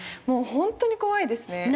もう本当に怖いですね。